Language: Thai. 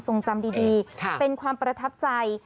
จำดีเป็นความประทับใจ